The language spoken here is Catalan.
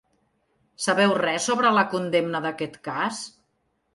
Sabeu res sobre la condemna d’aquest cas?